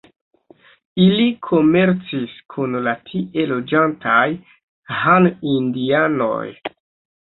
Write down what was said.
Ili komercis kun la tie loĝantaj Han-indianoj.